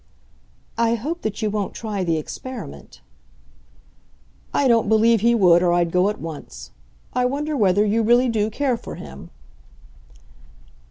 "I hope that you won't try the experiment." "I don't believe he would, or I'd go at once. I wonder whether you really do care for him?"